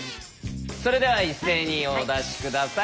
それでは一斉にお出し下さい。